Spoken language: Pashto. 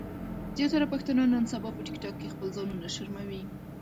زياتره پښتانۀ نن سبا په ټک ټاک کې خپل ځانونه شرموي